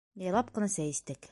Яйлап ҡына сәй эстек.